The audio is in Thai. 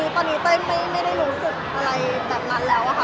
อึดอัดไหมหรอคะตอนนี้ไม่ได้รู้สึกอะไรแบบนั้นแล้วค่ะ